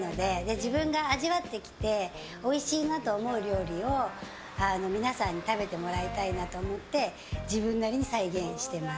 自分が味わってきておいしいなと思う料理を皆さんに食べてもらいたいなと思って自分なりに再現しています。